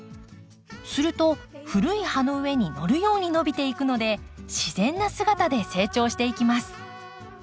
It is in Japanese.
すると古い葉の上にのるように伸びていくので自然な姿で成長していきます。